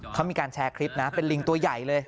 เขามีการแชร์คลิปนะเป็นลิงตัวใหญ่เลย